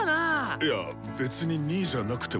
いやっ別に２位じゃなくても。